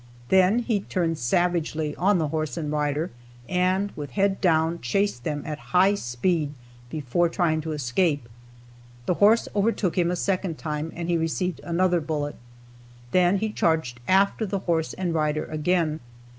Then he turned savagely on the horse and rider, and, with head down, chased them at high speed before trying to escape. The horse overtook him a second time and he received another bullet. Then he charged after the horse and rider again.